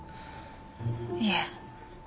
いえ。